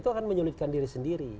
itu akan menyulitkan diri sendiri